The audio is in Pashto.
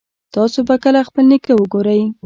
تاسو به کله خپل نیکه وګورئ